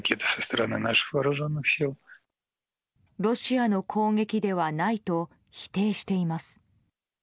ロシアの攻撃ではないと否定しています。